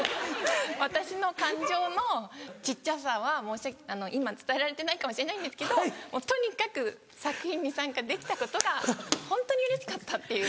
私の感情の小っちゃさは今伝えられてないかもしれないんですけどとにかく作品に参加できたことがホントにうれしかったっていう。